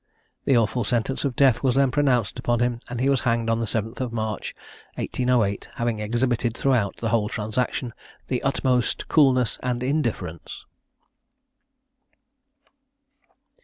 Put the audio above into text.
The awful sentence of death was then pronounced upon him, and he was hanged on the 7th of March, 1808, having exhibited throughout the whole transaction the utmost coolness and indifference.